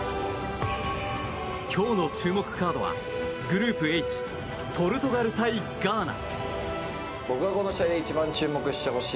今日の注目カードはグループＨポルトガル対ガーナ。